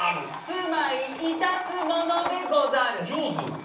「住まいいたすものでござる」。